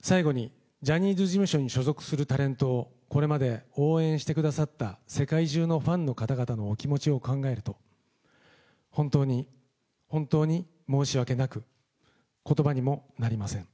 最後にジャニーズ事務所に所属するタレントをこれまで応援してくださった世界中のファンの方々のお気持ちを考えると、本当に本当に申し訳なく、ことばにもなりません。